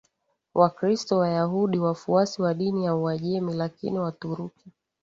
Wakristo Wayahudi Wafuasi wa dini ya Uajemi Lakini Waturuki